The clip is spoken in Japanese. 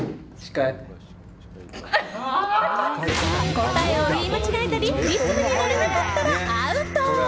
答えを言い間違えたりリズムに乗れなかったらアウト！